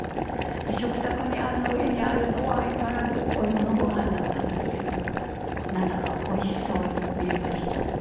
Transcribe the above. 食卓の上にあるのは相変わらずお芋のごはんだったんですけれども何だかおいしそうに見えました。